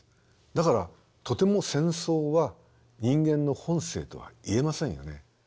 だからとても戦争は人間の本性とは言えませんよね。